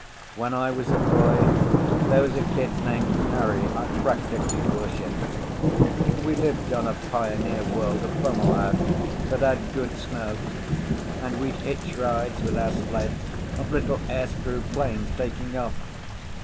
When I was a boy there was a kid named Harry I practically worshipped. We lived on a pioneer world of Fomalhaut that had good snow, and we'd hitch rides with our sleds off little airscrew planes taking off.